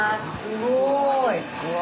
すごい！うわ。